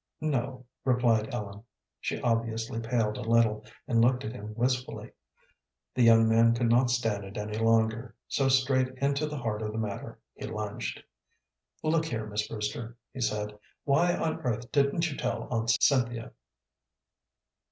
"No," replied Ellen. She obviously paled a little, and looked at him wistfully. The young man could not stand it any longer, so straight into the heart of the matter he lunged. "Look here, Miss Brewster," he said, "why on earth didn't you tell Aunt Cynthia?"